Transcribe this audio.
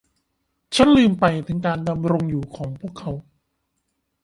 ฉันลืมไปถึงการดำรงอยู่ของพวกเขา